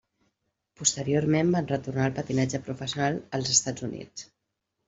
Posteriorment van retornar al patinatge professional als Estats Units.